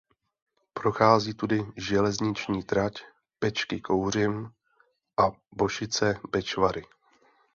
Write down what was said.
Prochází tudy železniční trať Pečky–Kouřim a Bošice–Bečváry.